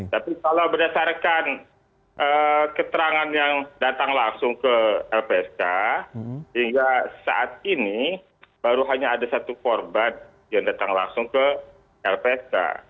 tapi kalau berdasarkan keterangan yang datang langsung ke lpsk hingga saat ini baru hanya ada satu korban yang datang langsung ke lpsk